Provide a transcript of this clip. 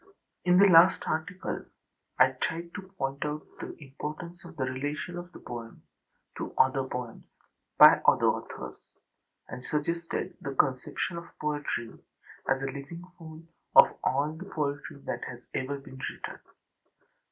In the last article I tried to point out the importance of the relation of the poem to other poems by other authors, and suggested the conception of poetry as a living whole of all the poetry that has ever been written.